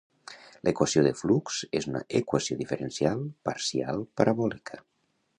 L'equació de flux és una equació diferencial parcial parabòlica.